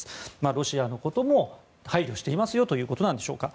ロシアのことも配慮していますよということでしょうか。